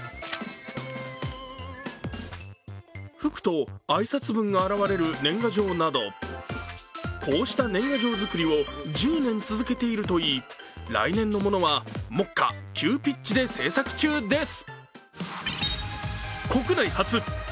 吹くと挨拶文が現れる年賀状など、こうした年賀状作りを１０年続けているといい来年のものは目下、急ピッチで製作中です。